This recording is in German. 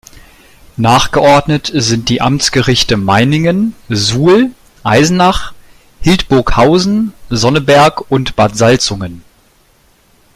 Nachgeordnet sind die Amtsgerichte Meiningen, Suhl, Eisenach, Hildburghausen, Sonneberg und Bad Salzungen.